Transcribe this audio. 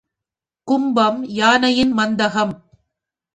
கும்பம் யானையின் மத்தகம்.